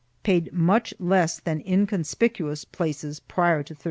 paid much less than inconspicuous places prior to 1391.